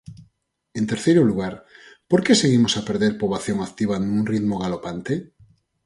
En terceiro lugar, ¿por que seguimos a perder poboación activa nun ritmo galopante?